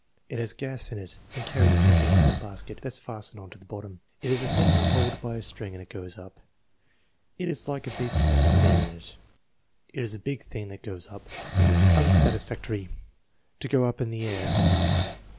It has gas in it and carries people up in a basket that's fastened on to the bottom/ 5 "It is a thing you hold by a string and it goes up." "It is like a big bag with air in it. "It is a big thing that goes up." Unsatisfactory. "To go up in the air."